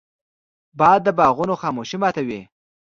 باد د باغونو خاموشي ماتوي